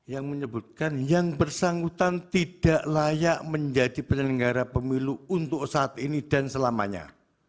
yang menyebutkan yang bersangkutan tidak layak menjadi penyelenggara pemilu untuk saat ini dan selamanya